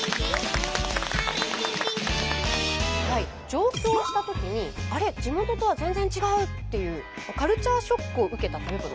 上京したときに「あれ？地元とは全然違う！」っていうカルチャーショックを受けた食べ物。